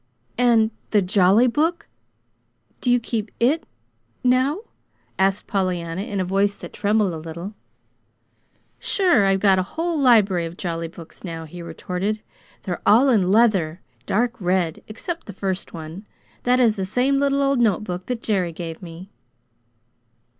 "And the Jolly Book do you keep it now?" asked Pollyanna, in a voice that trembled a little. "Sure! I've got a whole library of jolly books now," he retorted. "They're all in leather, dark red, except the first one. That is the same little old notebook that Jerry gave me."